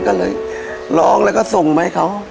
ก็เลยร้องแล้วก็ส่งมาให้เขา